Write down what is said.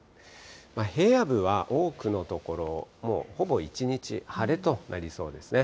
平野部は多くの所、もうほぼ一日、晴れとなりそうですね。